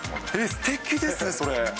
すてきです、それ。